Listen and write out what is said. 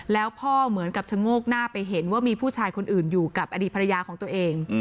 แล้วพ่อเหมือนกับชะโงกหน้าไปเห็นว่ามีผู้ชายคนอื่นอยู่กับอดีตภรรยาของตัวเอง